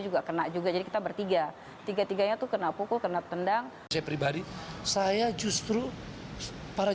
juga pernah juga ketabra tiga tiga tiganya tuh kena pukul kenal tendang dari saya justru para